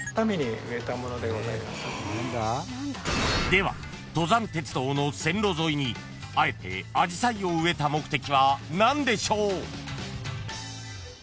［では登山鉄道の線路沿いにあえてアジサイを植えた目的は何でしょう］